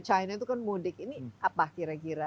di china itu mudik ini apa kira kira